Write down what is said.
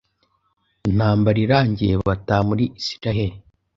intambara irangiye bataha muri Israel.